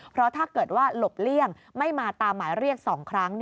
เพราะถ้าเกิดว่าหลบเลี่ยงไม่มาตามหมายเรียก๒ครั้ง